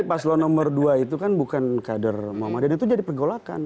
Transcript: jadi paslon nomor dua itu kan bukan kader muhammadiyah itu jadi pergolakan